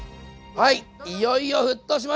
はい！